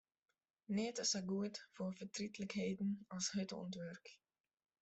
Neat is sa goed foar fertrietlikheden as hurd oan it wurk.